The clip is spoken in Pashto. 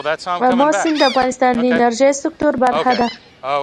آمو سیند د افغانستان د انرژۍ سکتور برخه ده.